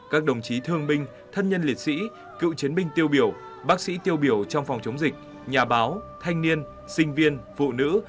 các đồng chí thương binh thân nhân liệt sĩ cựu chiến binh tiêu biểu bác sĩ tiêu biểu trong phòng chống dịch nhà báo thanh niên sinh viên phụ nữ